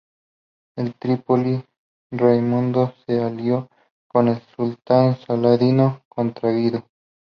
En Trípoli Raimundo se alió con el sultán Saladino contra Guido.